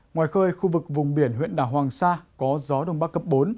ngoài khơi khu vực vùng biển huyện đảo hoàng sa có gió đông bắc cấp bốn